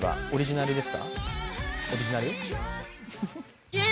オリジナル？